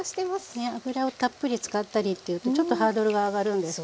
ねえ油をたっぷり使ったりっていうとちょっとハードルが上がるんですけど。